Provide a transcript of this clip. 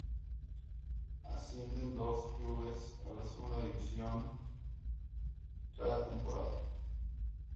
Ascienden dos clubes a la Segunda División cada temporada.